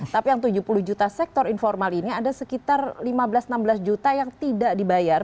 tapi yang tujuh puluh juta sektor informal ini ada sekitar lima belas enam belas juta yang tidak dibayar